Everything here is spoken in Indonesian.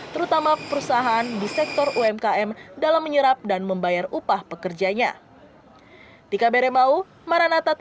terutama perusahaan di sektor umkm dalam menyerap dan membayar upah pekerjanya